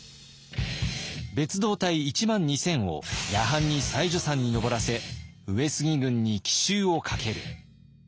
別動隊１万２，０００を夜半に妻女山に登らせ上杉軍に奇襲をかける。